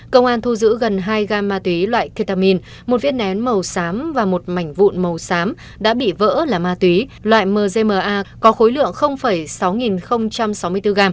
công an thu giữ gần hai gam ma túy loại ketamine một viết nén màu xám và một mảnh vụn màu xám đã bị vỡ là ma túy loại mzma có khối lượng sáu nghìn sáu mươi bốn gam